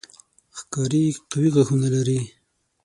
ښکاري قوي غاښونه لري.